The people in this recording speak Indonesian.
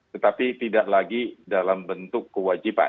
tetapi tidak lagi dalam bentuk kewajiban